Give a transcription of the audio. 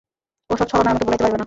ও-সব ছলনায় আমাকে ভুলাইতে পারিবে না।